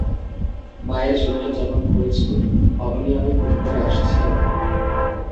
মায়ের জমিটা যেমন করেছ, অমনি আমি হুপ করে আসছি আর কি।